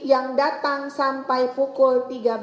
yang datang sampai pukul tiga belas